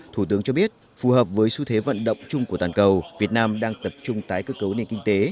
thủ tướng cho biết phù hợp với xu thế vận động chung của toàn cầu việt nam đang tập trung tái cơ cấu nền kinh tế